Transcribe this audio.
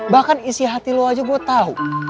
bahkan isi hati lo aja gue tau